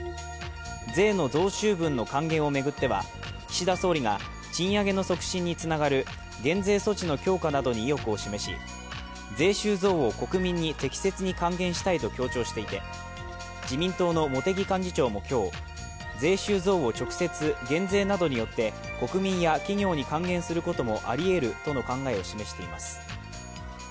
税の増収分の還元を巡っては岸田総理が賃上げの促進につながる減税措置の強化などに意欲を示し、税収増を国民に適切に還元したいと強調していて自民党の茂木幹事長も今日税収増を直接減税などによって国民や企業に還元することもありえるとの考えを示しています。